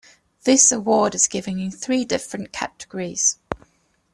This award is given in three different categories.